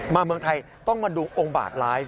เมืองไทยต้องมาดูองค์บาทร้าย